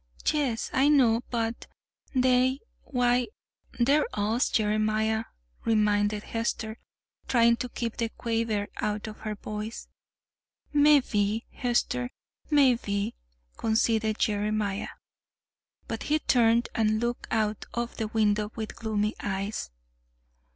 "Yes, I know, but they why, they're us, Jeremiah," reminded Hester, trying to keep the quaver out of her voice. "Mebbe, Hester, mebbe," conceded Jeremiah; but he turned and looked out of the window with gloomy eyes.